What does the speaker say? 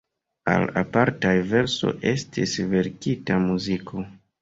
Al apartaj verso estis verkita muziko.